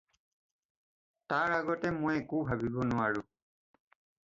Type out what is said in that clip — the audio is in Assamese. তাৰ আগতে মই একো ভাবিব নোৱাৰোঁ।